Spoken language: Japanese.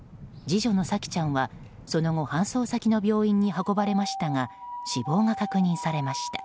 次女の沙季ちゃんはその後搬送先の病院に運ばれましたが死亡が確認されました。